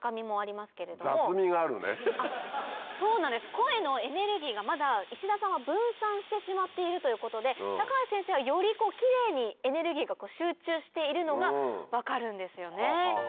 声のエネルギーがまだ石田さんは分散してしまっているということで高橋先生はよりキレイにエネルギーが集中しているのが分かるんですよね。